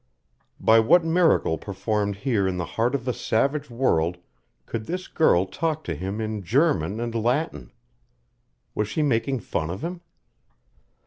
By what miracle performed here in the heart of a savage world could this girl talk to him in German and Latin? Was she making fun of him?